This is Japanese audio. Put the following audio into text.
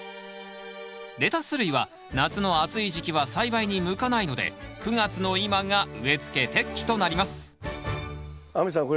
レタス類は夏の暑い時期は栽培に向かないので９月の今が植えつけ適期となります亜美さん